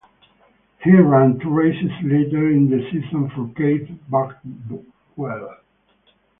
He ran two races later in the season for Keith Barnwell.